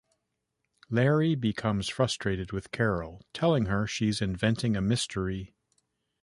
Larry becomes frustrated with Carol, telling her she's "inventing a mystery".